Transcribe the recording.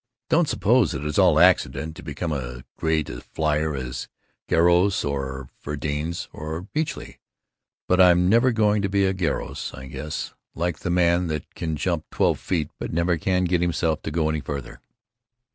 Don't suppose it is all accident to become as great a flier as Garros or Vedrines or Beachey, but I'm never going to be a Garros, I guess. Like the man that can jump twelve feet but never can get himself to go any farther.